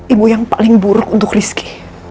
ibu yang paling buruk untuk rizki